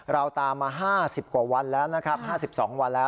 เราตามมาห้าสิบกว่าวันแล้วนะครับห้าสิบสองวันแล้ว